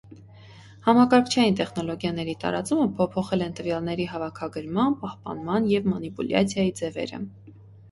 Համակարգչային տեխնոլոգիաների տարածումը փոփոխել են տվյալների հավաքագրման, պահպանման և մանիպուլյացիայի ձևերը։